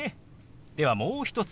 ではもう一つ。